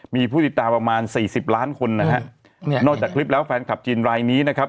มีผู้ติดตามประมาณ๔๐ล้านคนนอกจากคลิปแล้วแฟนคลับจีนรายนี้นะครับ